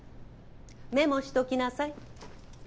メモしときなさい。